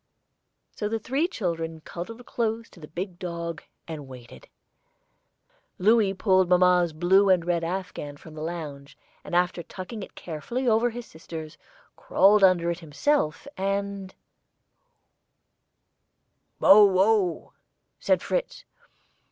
So the three children cuddled close to the big dog and waited. Louis pulled mamma's blue and red afghan from the lounge, and after tucking it carefully over his little sisters, crawled under it himself, and "Bow wow," said Fritz.